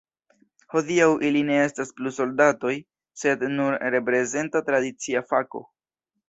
Hodiaŭ ili ne estas plu soldatoj, sed nur reprezenta tradicia fako.